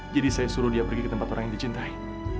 jadi saya suruh dia pergi ke tempat orang yang dicintai